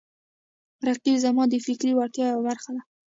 رقیب زما د فکري وړتیاو یوه برخه ده